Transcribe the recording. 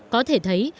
có thể thấy